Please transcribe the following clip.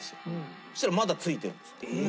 そしたら「まだついてる」っつって。